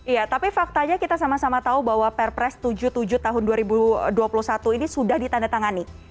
iya tapi faktanya kita sama sama tahu bahwa perpres tujuh puluh tujuh tahun dua ribu dua puluh satu ini sudah ditandatangani